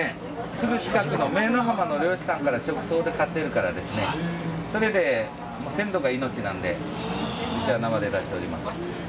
すぐ近くの姪浜の漁師さんから直送で買ってるからですね、それで、鮮度が命なんで、うちは生で出しております。